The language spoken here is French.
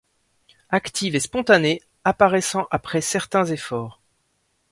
Active et spontanée, apparaissant après certains efforts.